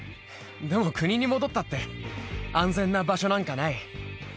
でも国に戻ったって安全な場所なんかない。